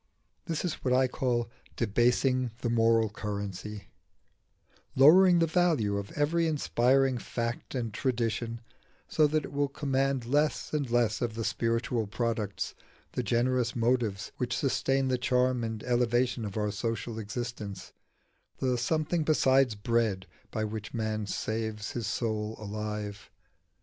This is what I call debasing the moral currency: lowering the value of every inspiring fact and tradition so that it will command less and less of the spiritual products, the generous motives which sustain the charm and elevation of our social existence the something besides bread by which man saves his soul alive.